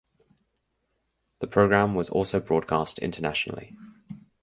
The program was also broadcast internationally.